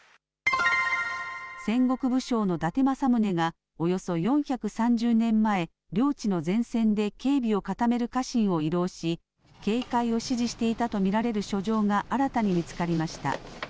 戦国武将の伊達政宗が、およそ４３０年前、領地の前線で警備を固める家臣を慰労し、警戒を指示していたと見られる書状が新たに見つかりました。